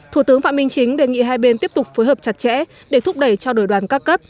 thủ tướng phạm minh chính đề nghị hai bên tiếp tục phối hợp chặt chẽ để thúc đẩy trao đổi đoàn các cấp